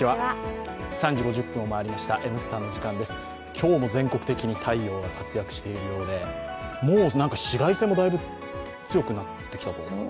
今日も全国的に太陽が活躍しているようで、もう紫外線もだいぶ強くなってきました。